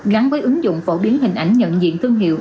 gắn với ứng dụng phổ biến hình ảnh nhận diện thương hiệu